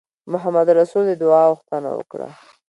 محمدرسول د دعا غوښتنه وکړه.